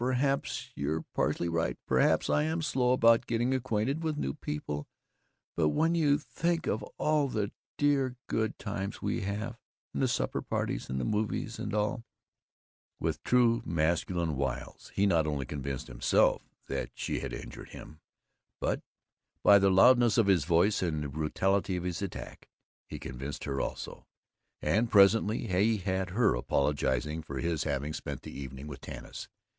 Perhaps you're partly right. Perhaps I am slow about getting acquainted with new people. But when you think of all the dear good times we have, and the supper parties and the movies and all " With true masculine wiles he not only convinced himself that she had injured him but, by the loudness of his voice and the brutality of his attack, he convinced her also, and presently he had her apologizing for his having spent the evening with Tanis.